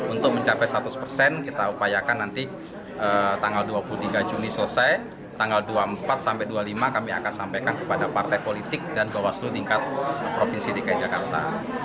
untuk mencapai seratus persen kita upayakan nanti tanggal dua puluh tiga juni selesai tanggal dua puluh empat sampai dua puluh lima kami akan sampaikan kepada partai politik dan bawaslu tingkat provinsi dki jakarta